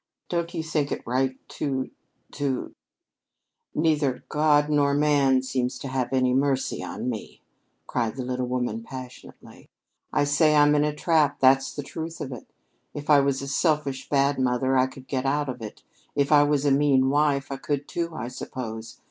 Don't you think it right to to " "Neither God nor man seems to have any mercy on me," cried the little woman passionately. "I say I'm in a trap that's the truth of it. If I was a selfish, bad mother, I could get out of it; if I was a mean wife, I could, too, I suppose.